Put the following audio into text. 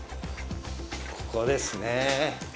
ここですね。